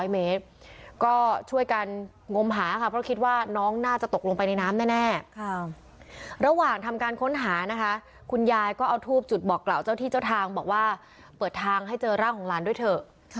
เปิดทางให้เจอร่างของล้านด้วยเถอะ